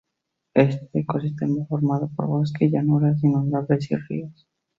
Este ecosistema, formado por bosque, llanuras inundables y ríos.